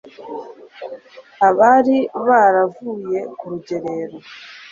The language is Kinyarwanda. abari baravuye ku rugerero